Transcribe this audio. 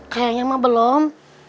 kayaknya mah belum